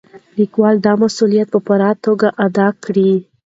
لیکوال دا مسؤلیت په پوره توګه ادا کړی.